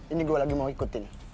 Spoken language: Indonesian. ini gue lagi mau ikutin